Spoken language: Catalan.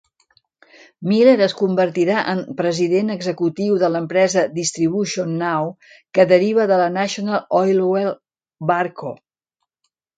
Miller es convertirà en president executiu de l'empresa DistributionNow, que deriva de la National Oilwell Varco.